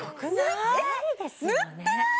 えっ塗ってない？